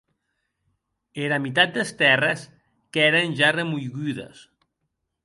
Era mitat des tèrres qu’èren ja remoigudes.